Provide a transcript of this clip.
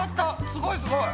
すごいすごい。